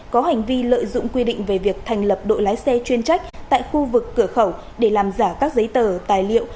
có hành vi lợi dụng quy định về việc thành lập đội lái xe chuyên trách tại khu vực cửa khẩu để làm giả các giấy tờ tài liệu